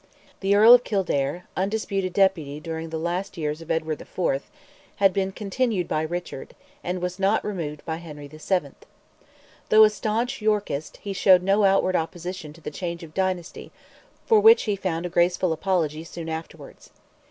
The Earl of Kildare, undisputed Deputy during the last years of Edward IV., had been continued by Richard, and was not removed by Henry VII. Though a staunch Yorkist, he showed no outward opposition to the change of dynasty, for which he found a graceful apology soon afterwards.